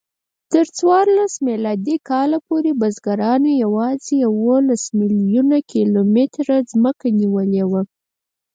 تر څوارلس میلادي کال پورې بزګرانو یواځې یوولس میلیونه کیلومتره ځمکه نیولې وه.